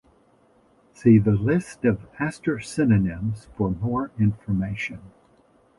See the List of "Aster" synonyms for more information.